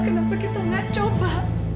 kenapa kita gak coba